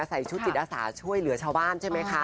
ใส่ชุดจิตอาสาช่วยเหลือชาวบ้านใช่ไหมคะ